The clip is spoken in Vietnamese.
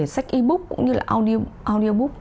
sách e book cũng như là audiobook